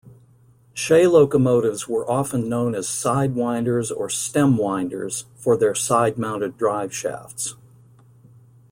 Shay locomotives were often known as "sidewinders" or "stemwinders" for their side-mounted drive shafts.